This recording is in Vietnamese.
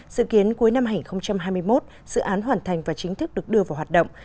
dự kiến cuối năm hai nghìn hai mươi một dự án hoàn thành và chính thức được đưa vào hoạt động